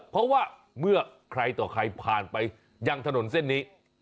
เพราะว่าเมื่อใครต่อใครผ่านไปยังถนนเส้นนี้